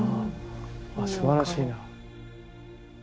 あすばらしいな。